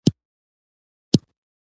یو کال یې په غرونو کې لوږه تېره کړه.